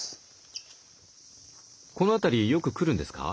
この辺りよく来るんですか？